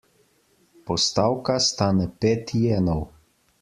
Postavka stane pet jenov.